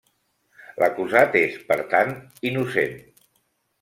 L'acusat és, per tant, innocent.